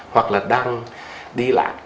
hoặc là đang đi lại